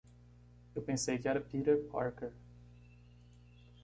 Eu pensei que era Peter Parker.